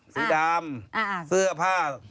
สีดำเสื้อผ้า